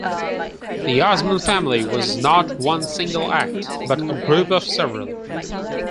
The Osmond family was not one single act, but a group of several.